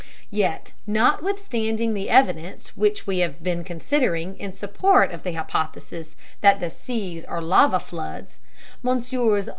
Yet notwithstanding the evidence which we have just been considering in support of the hypothesis that the "seas" are lava floods, Messrs.